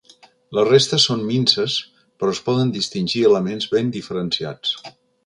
Les restes són minses però es poden distingir elements ben diferenciats.